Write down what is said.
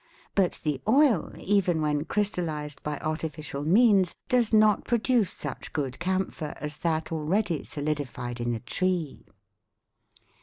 But the oil, even when crystallized by artificial means, does not produce such good camphor as that already solidified in the tree."